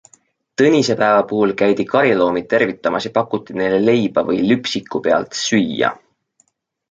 Tõnisepäeva puhul käidi kariloomi tervitamas ja pakuti neile leiba või lüpsiku pealt süüa.